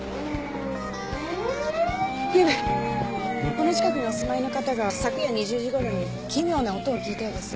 この近くにお住まいの方が昨夜２０時頃に奇妙な音を聞いたようです。